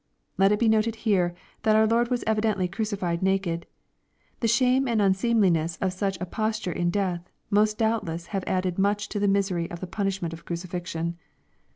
'] Let it be noted here, that our Lord was evidently crucified naked. The shame and unseem liness of such a posture in death, must doubtless have added much to the misery of the punishment of crucifixion.